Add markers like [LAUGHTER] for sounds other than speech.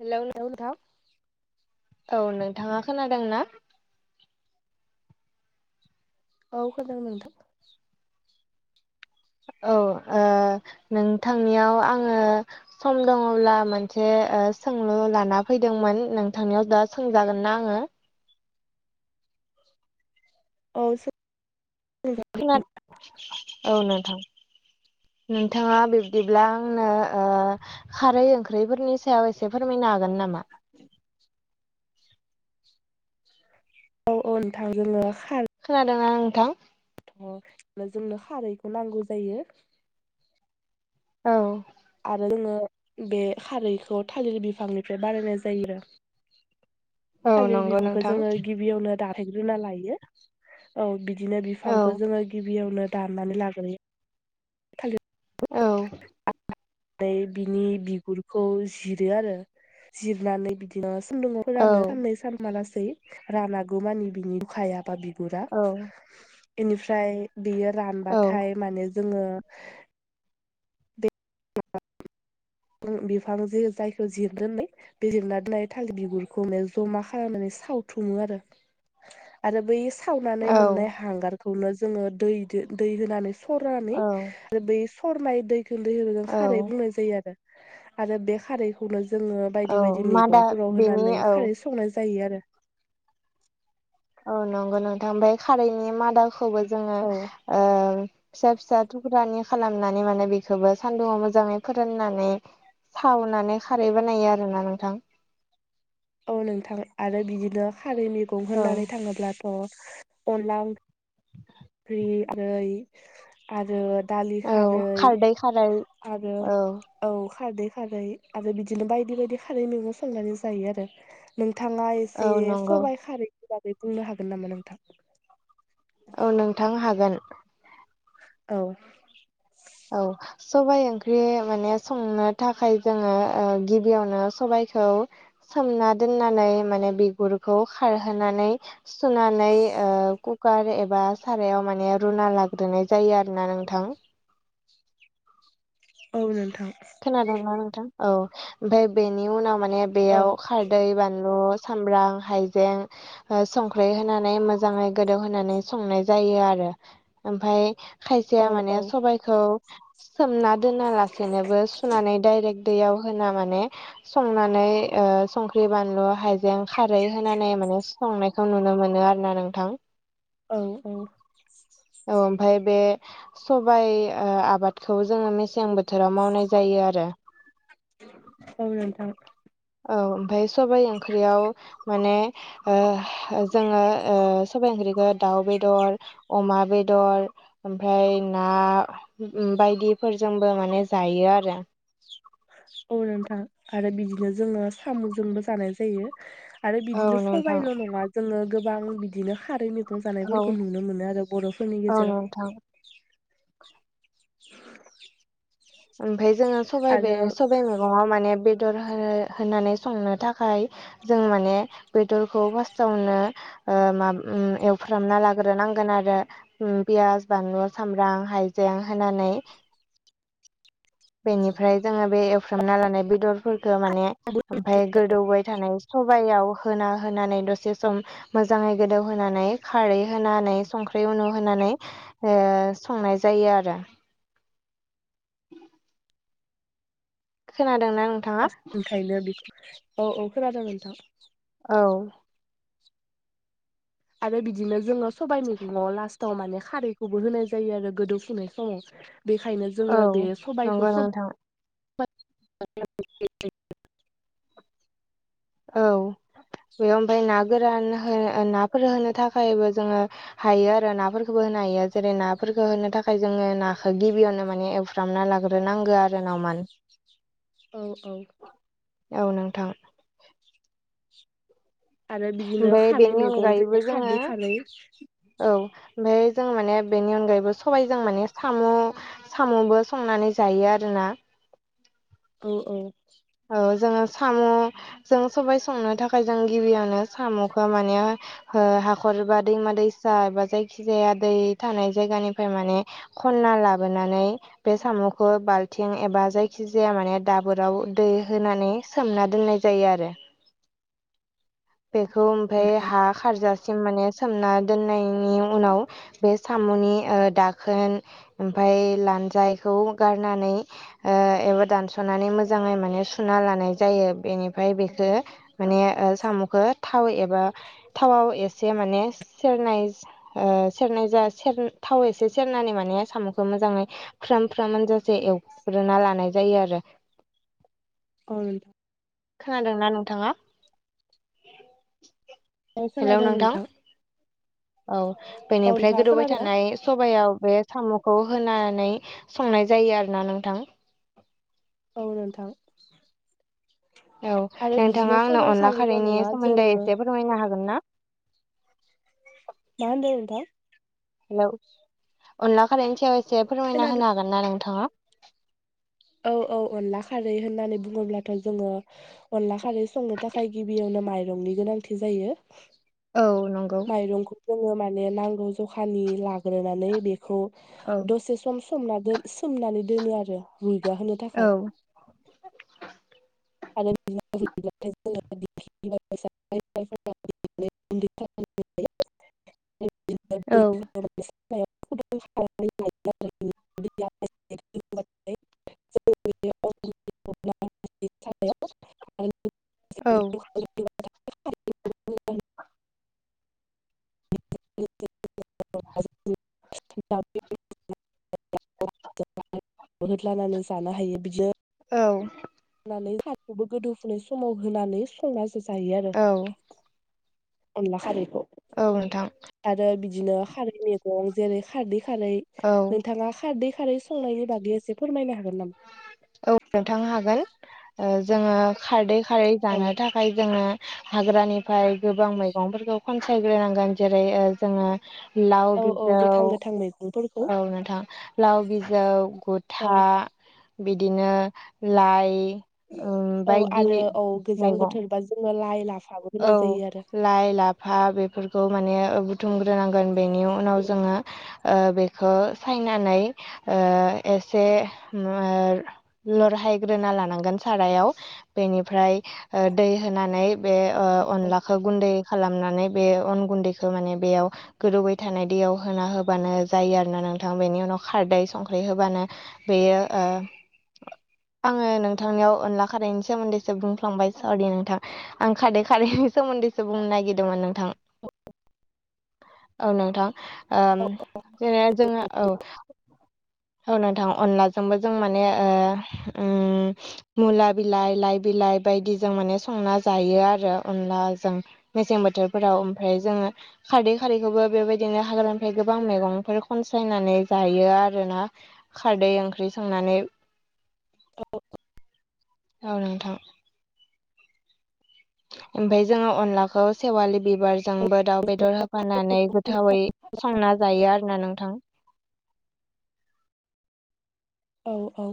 Hello. [INAUDIBLE] औ नोंथाङा खोनादों ना? औ खोनादों नोंथां। औ ओ नोंथांनियाव आंङो सम दङब्ला मोनसे सोंलु लाना फैदोंमोन नोंथांनियाव दा सोंजागोन ना आंङो? औ सों [INAUDIBLE] [INAUDIBLE] औ नोंथां। नोंथाङा बिब्दिब्ला आंनो ओ खारै ओंख्रिफोरनि सायाव एसे फोरमायनो हागोन नामा? औ औ नोंथां जोङो खा खोनादोंना नोंथां? अ जोंनो खारैखौ नांगौ जायो‌। औ। आरो जोङो बे खारैखौ थालिर बिफांनिफ्राय बानायनाय जायो। औ थालिर नंगौ बिफांखौ नोंथां जोङो गिबियावनो दान फाइग्रोना लायो औ बिदिनो औ बिफांखौ जोङो गिबियावनो दाननानै लाग्रोयो थालिर औ। बिनि बिगुरखौ जिरो आरो जिरनानै बिदिनो सान्दुंङाव औ फोरानो साननै साना लासै रानागौ मानि बिनि उखायाबा बि गुरा औ इनिफ्राय बियो रानबाथाय माने जोङो [INAUDIBLE] बिफांजो जायखौ जिरनानै बे जिरना दोननाय थालिर बिगुरखौ माने जमा खालामनानै सावथुुमो आरो। [INAUDIBLE] आरो बै सावनानै औ मोननाय हांगारखौनो जोङो दैदो दै होनानै सरनानै औ आरो बै सरनाय दैखोनो औ खारै बुंनाय जायो आरो। आरो बे खारैखौनो जोङो औ बायदि बायदि मादा मैगंफोराव बेनि होनानै औ खारै संनाय जायो आरो। औ नंगौ नोंथां ओमफ्राय खारैनि मादाखौबो जोङो औ ओ फिसा फिसा थुख्रानि खालामनानै माने बेखौबो सान्दुङाव मोजाङै फोराननानै सावनानै खारै बानायो आरोना नोंथां। औ नोंथां आरो बिदिनो खारै मेगं औ होननानै थाङोब्लाथ' अनला ओं [UNINTELLIGIBLE] आरो दालि औ खारै खारदै खारै आरो औ औ खारदै खारै आरो बिदिनो बायदि बायदि खारै मेगं संनानै जायो आरो नोंथाङा औ एसे नंगौ सबाइ खारैनि बागै बुंनो हागोन नामा नोंथां? औ नोंथां हागोन। औ औ सबाइ ओंख्रि माने संनो थाखाय जोङो ओ गिबियावनो सबाइखौ सोमना दोननानै माने बिगुरखौ खारहोनानै सुनानै ओ कुकार एबा सारायाव माने रुना लाग्रोनाय जायो आरोना नोंथां औ नोंथां खोनादों ना नोंथां औ ओमफ्राय बेनि उनाव माने औ बेयाव खारदै बानलु सामब्राम हाइजें ओ संख्रि होनानै मोजाङै गोदौ होनानै संनाय जायो आरो ओमफाय औ खायसेया माने औ सबाइखौ सोमना दोना लासेनोबो सुनानै डाइरेक्ट दैयाव होना माने संनानै ओ संख्रि बानलु हाइजें खारै होनानै माने संनायखौ नुनो मोनो आरोना नोंथां। ओं उ औ ओमफाय बे सबाइ ओ आबादखौ जोङो मेसें बोथोराव मावनाय जायो आरो औ नोथां औ ओमफाय सबाइ ओंख्रियाव माने ओ जोङो ओ सबाय ओंख्रिखौ दाउ बेदर अमा बेदर ओमफाय ना बायदिफोरजोंबो माने जायो आरो। औ नोंथां आरो बिदिनो जोङो साम'जोंबो जानाय जायो आरो औ बिदिनो नोंथां सबायल' नङा जोङो गोबां बिदिनो खारैनि [UNINTELLIGIBLE] औ नायफोरखौ नुनो मोनो आरो बर'फोरनि औ गेजेराव नोंथां [INAUDIBLE] ओमफ्राय जोङो सबाय बे आरो सबाय मेगङाव माने बेदर हो होनानै संनो थाखाय जों माने बेदरखौ फास्टावनो ओ माम उ एवफ्रामना लाग्रोनांगोन आरो उ पियास बानलु सामब्राम हायजें होनानै बेनिफ्राय जोङो बे एवफ्रामना लानाय बेदर फोरखो माने ओमफाय गोदौबाय थानाय सबायाव होना होनानै दसे सम मोजाङै गोदौहोनानै खारै होनानै संख्रै उनु होनानै ओ संनाय जायो आरो [INAUDIBLE] खोनादों ओंखायनो बेख औ औ खोनादों नोंथां औ आरो बिदिनो जोङो सबायाइ मैगङाव लास्टाव माने खारैखौबो होनाय जायो आरो गोदौ फुनाय समाव बेखायनो औ जोङो बे सबायखौ नंगौ सब [UNINTELLIGIBLE] नोंथां औ बेयाव ओमफाय ना गोरान हो नाफोर होनो थाखायबो जोङो हायो आरो नाफोरखौबो होनो हायो जेरै नाफोरखौ होनो थाखाय जोङो नाखौ गिबियावनो माने फ्रामना लाग्रोनांगो आरो नावमान। औ औ औ नोंथां। आरो बिदिनो ओमफ्राय खारै बेनि मेगं जे अनगायैबो जोङो खारदै खारै औ ओमफ्राय जों माने बेनि अनगायैबो सबायाइजों माने साम' साम'बो संनानै जायो आरोना। औ औ। औ जोङो साम' जों सबाय संनो थाखाय जों गिबियनो सामुखौआ माने ओ हाखर एबा दैमा दैसा एा जायखिजाया दै थानाय जायगानिफाय माने खनना लाबोनानै बे साम'खौ बाल्थिं एबा जायखि जाया माने दाबोराव दै होनानै सोमना दोननाय जायो आरो। बेखौ ओमफाय नोंथां हा खारजासि सिम माने सोमना दोननायनि उनाव बे साम'नि दाखोन ओमफ्राय लानजायखौ गारनानै ओ एबा दानस'नानै मोजाङै माने सुना लानाय जायो बेनिफ्राय बेखो माने साम'खौ थाव एबा थावाव एसे माने सेरनाय सेरनाय जा सेर थाव एसे सेरनानै माने साम'खौ मोजाङै फ्राम फ्राम मोनजासे एवग्रोना लानाय जायो आरो [UNINTELLIGIBLE] खोनादोंना नोंथाङा? औ खोनादों नोंथां औ औ बेनिफ्राय नोंथाङा गोदौबाय खोनादोंना थानाय सबायाव बे साम'खौ होनानै संनाय जायो आरोना नोंथां औ नोंथां औ आरो नोंथाङा बिदिनो आंनो सबाइ अनला खारैल' खारैनि नङा जोङो सोमोन्दै एसे फोरमायनो हागोनना? मा होनदो नोंथां? हेलौ अनला कारेन्सियाव एसे फोरमायना खोनादों होनो हागोन ना नोंथाङा? औ औ अनला खारै होननानै बुङोब्लाथ' जोङो अनला खारै संनो थाखाय गिबियावनो माइरंनि गोनांथि जायो। औ नंगौ माइरंखौ जोङो माने नांगौ जखानि लाग्रोनानै बे बे खौ औ दसे सम सोमना सोमनानै दोनो आरो रुइगा होनो औ थाखाय [UNINTELLIGIBLE] औ [UNINTELLIGIBLE] [UNINTELLIGIBLE] औ बि [UNINTELLIGIBLE] हानानै जानो हायो बिदि औ होनानै साखौबो गोदौफुनाय समाव होनानै संनासो जायो आरो। औ अनला खारिखौ औ नोंथां आरो बिदिनो खारै मैगं जेरै खारदै खारै औ नोंथाङा खारदै खारै संनायनि बागै एसे फोरमायनो हागोन नामा? औ नोंथां हागोन जोङो खारदै खारै औ जानो थाखाय आय जोङो हाग्रानिफ्राय गोबां मैगंफोरखौ खनसायग्रोनांगोन जेरै जोङो लाव औ औ बिजौ गोथां गोथां मैगंफोरखौ औ नोंथां लाव बिजौ औ गथा बिदिनो लाइ ओम औ बायदि आरो औ गोजां मैगं बोथोरबा जोङो लाइ लाफाबो औ होनाय जायो आरो लाय लाभ फा बेफोरखौ माने बुथुमग्रोनांगोन बेनि उनाव जोङो बेखौ सायनानै एसे ओ लरहायग्रोना लानांगोन सारायाव बेनिफ्राय दै होनानै बे अनलाखौ गुन्दै खालामनानै बे अन गुन्दैखौ माने बेयाव गोदौबाय थानाय दैयाव होना होबानो जायो आरोोना नोंथां बेनि उनाव खारदै संख्रि होबानो बेयो ओ आङो नोंथांनियाव अनला खारनायनि सोमोन्दैसो बुंफ्लांबाय सरि नोंथां आं खारदै खारै खारै नि सोमोन्दैसो बुंनो नागिरदोंमोन नोंथां औ नोंथां ओम जेने जों औ औ नोंथां अनलाजोंबो जों माने ओ उम मुला बिलाइ लाइ बिलाइ बायदिजों माने संना जायो आरो अनला जों मेसें बोथोरफोराव ओमफ्राय जोङो खारदै खारैखौबो बेबायदिनो हाग्रानिफ्राय गोबां मैगंफोर खनसायनानै जायो आरोना खारदै ओंख्रि संनानै औ औ नोंथां ओमफफ्राय जोङो अनलाखौ सेवालि बिबार जोंबो दाउ बेदर होफानानै गोथावै संना जायो आरोना नोंथां औ औ